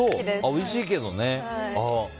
おいしいけどね。